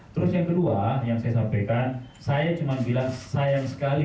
terus yang kedua yang saya sampaikan saya cuma bilang sayang sekali